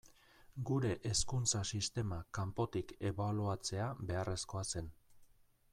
Gure hezkuntza sistema kanpotik ebaluatzea beharrezkoa zen.